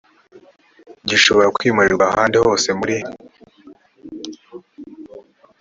gishobora kwimurirwa ahandi hose muri